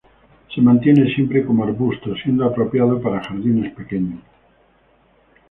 Se mantiene siempre como arbusto, siendo apropiado para jardines pequeños.